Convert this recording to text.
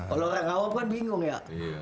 kalau orang awam kan bingung ya